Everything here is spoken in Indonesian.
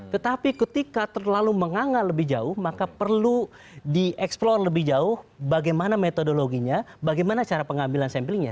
tetapi ketika terlalu menganga lebih jauh maka perlu di explor lebih jauh bagaimana metodologinya bagaimana cara pengambilan samplingnya